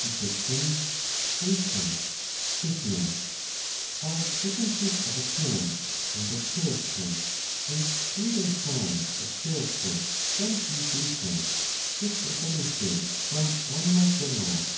Egyptian, Thracian, Scythian) by differences of appear ance and of character, and drew their signs of character from these races just as others did from animal genera.